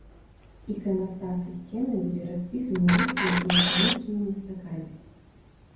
Іканастас і сцены былі распісаны рускімі і ўкраінскімі мастакамі.